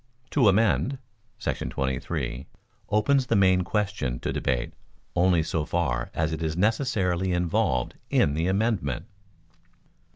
To Amend [§ 23] opens the main question to debate only so far as it is necessarily involved in the amendment.